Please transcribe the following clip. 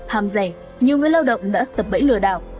hàm rẻ nhiều người lao động đã sập bẫy lừa đảo